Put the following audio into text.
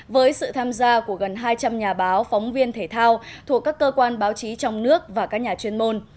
với sự tham gia của gần hai trăm linh nhà báo phóng viên thể thao thuộc các cơ quan báo chí trong nước và các nhà chuyên môn